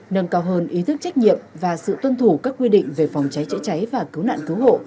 nâng cao hơn ý thức trách nhiệm và sự tuân thủ các quy định về phòng cháy chữa cháy và cứu nạn cứu hộ